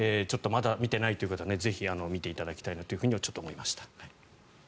ちょっとまだ見ていないという方ぜひ見ていただきたいなとちょっと思いました。